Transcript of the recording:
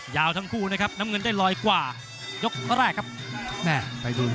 ยาวทั้งคู่นะครับน้ำเงินได้รอยกว่ายกเวลาแรกครับ